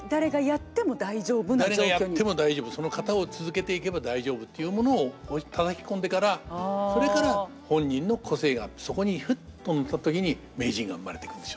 その型を続けていけば大丈夫っていうものをたたき込んでからそれから本人の個性がそこにふっと乗った時に名人が生まれてくるんでしょうね。